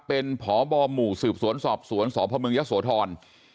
เป็นผบหมู่สืบสวนสอบสวนสพมยศทร